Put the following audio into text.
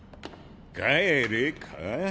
「帰れ」か。